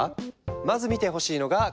まず見てほしいのがこれ。